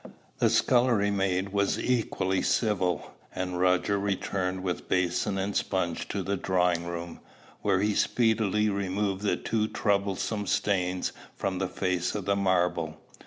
The scullery maid was equally civil; and Roger returned with basin and sponge to the drawing room, where he speedily removed the too troublesome stains from the face of the marble.